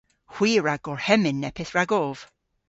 Hwi a wra gorhemmyn neppyth ragov.